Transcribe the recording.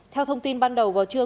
theo thông tin ban đầu vào trưa